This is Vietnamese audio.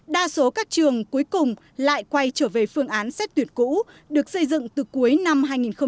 đa số các trường cuối cùng lại quay trở về phương án xét tuyển cũ được xây dựng từ cuối năm hai nghìn hai mươi